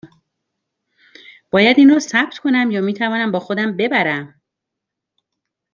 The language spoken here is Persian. باید این را ثبت کنم یا می توانم با خودم ببرم؟